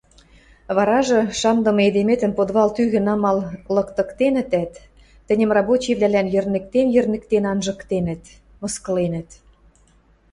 Варажы, шамдымы эдеметӹм подвал тӱгӹ намал лыктыктенӹтӓт, тӹньӹм рабочийвлӓлӓн йӹрнӹктен-йӹрнӹктен анжыктенӹт, мыскыленӹт.